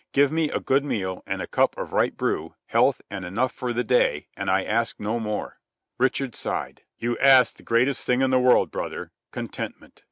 Give me a good meal and a cup of the right brew, health, and enough for the day, and I ask no more either of my God or of my King." Richard sighed. "You ask the greatest thing in the world, brother contentment.